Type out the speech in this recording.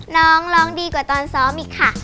น้องร้องดีกว่าตอนซ้อมอีกค่ะ